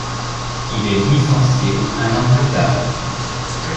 Il est licencié un an plus tard.